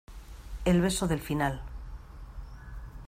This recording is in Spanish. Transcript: el beso del final.